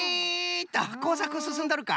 っとこうさくすすんどるか？